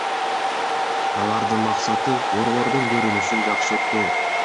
Алардын максаты — борбордун көрүнүшүн жакшыртуу.